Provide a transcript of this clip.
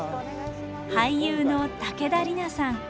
俳優の武田梨奈さん。